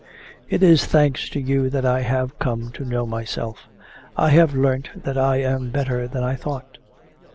'It is thanks to you that I have come to know myself. I have learnt that I am better than I thought.